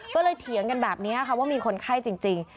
ก็เลยเถียงกันแบบนี้ค่ะว่ามีคนไข้จริง